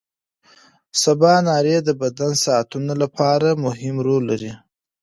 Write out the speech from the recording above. سباناري د بدن ساعتونو لپاره مهمه رول لري.